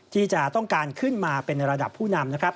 ที่จะต้องการขึ้นมาเป็นในระดับผู้นำนะครับ